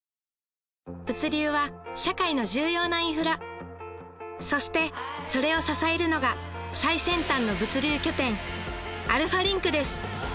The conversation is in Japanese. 物流は社会の重要なインフラそしてそれを支えるのが最先端の物流拠点アルファリンクです